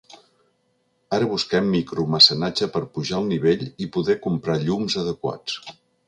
Ara busquem micro-mecenatge per pujar el nivell i poder comprar llums adequats.